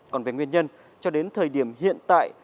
còn về nguyên nhân cho đến thời điểm hiện tại